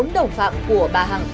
bốn đồng phạm của bà hằng